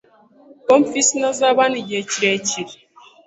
Bomfisi ntazaba hano igihe kirekire .